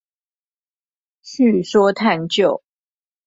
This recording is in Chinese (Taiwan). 敘說探究